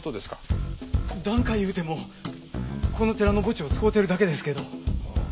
檀家いうてもこの寺の墓地を使うてるだけですけど。